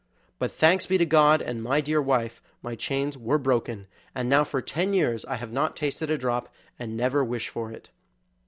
But thanks be to God, and my dear wife, my chains were broken, and now for ten years I have not tasted a drop, and never wish for it."